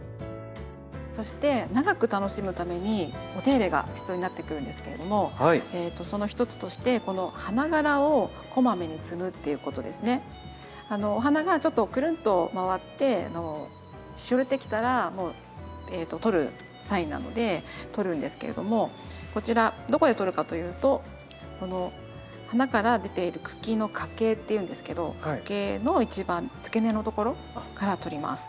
そして長く楽しむためにお手入れが必要になってくるんですけれどもその一つとしてお花がちょっとくるんと回ってしおれてきたらもう取るサインなので取るんですけれどもこちらどこで取るかというとこの花から出ている茎の花茎っていうんですけど花茎の一番つけ根のところから取ります。